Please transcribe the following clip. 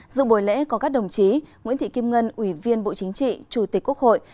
dự bồi lễ có các đồng chí nguyễn thị kim ngân ủy viên bộ chính trị chủ tịch quốc hội